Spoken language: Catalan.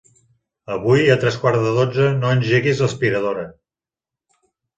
Avui a tres quarts de dotze no engeguis l'aspiradora.